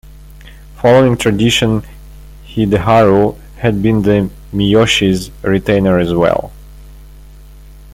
Following tradition Hideharu had been the Miyoshi's retainer as well.